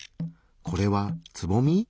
これはつぼみ？